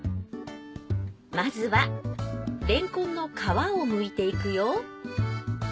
まずはれんこんの皮をむいていくよ。